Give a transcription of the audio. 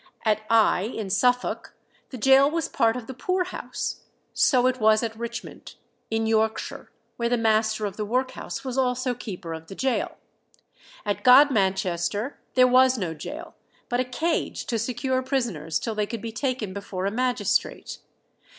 At Eye, in Suffolk, the gaol was part of the poor house; so it was at Richmond, in Yorkshire, where the master of the workhouse was also keeper of the gaol. At Godmanchester there was no gaol, but a cage to secure prisoners till they could be taken before a magistrate.